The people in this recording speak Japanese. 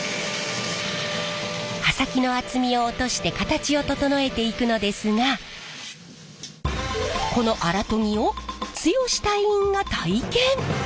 刃先の厚みを落として形を整えていくのですがこの荒研ぎを剛隊員が体験。